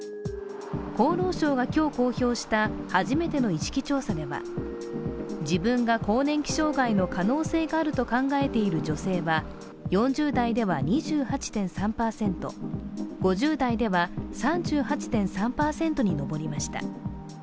厚労省が今日公表した初めての意識調査では、自分が更年期障害の可能性があると考えている女性は４０代では２８．３％、５０代では３８．３％に上りました。